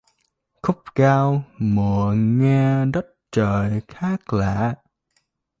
Khúc giao mùa nghe đất trời khác lạ